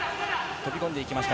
飛び込んでいきました